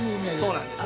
◆そうなんです。